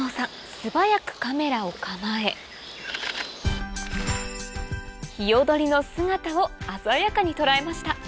素早くカメラを構えの姿を鮮やかに捉えました